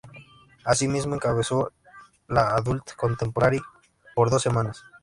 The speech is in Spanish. Asimismo encabezó la Adult Contemporary por dos semanas.